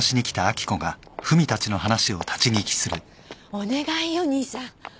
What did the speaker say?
・お願いよ兄さん。